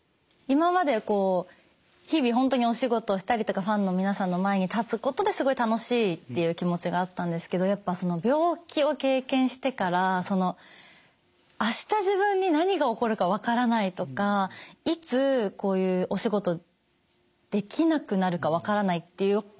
今まではこう日々本当にお仕事をしたりとかファンの皆さんの前に立つことですごい楽しいっていう気持ちがあったんですけどやっぱ病気を経験してから明日自分に何が起こるかわからないとかいつこういうお仕事できなくなるかわからないっていう。